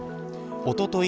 おととい